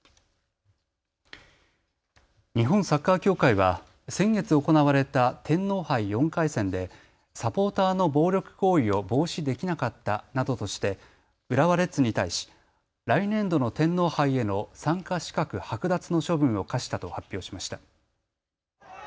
日本サッカー協会は先月行われた天皇杯４回戦でサポーターの暴力行為を防止できなかったなどとして浦和レッズに対し来年度の天皇杯への参加資格剥奪の処分を科したと発表しました。